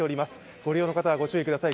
ご利用の方はご注意ください。